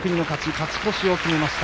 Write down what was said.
勝ち越しを決めました。